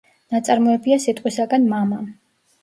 ნაწარმოებია სიტყვისაგან მამა.